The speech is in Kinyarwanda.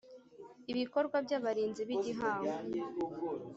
Ibikorwa by Abarinzi b Igihango